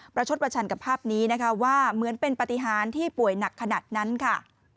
ชดประชันกับภาพนี้นะคะว่าเหมือนเป็นปฏิหารที่ป่วยหนักขนาดนั้นค่ะ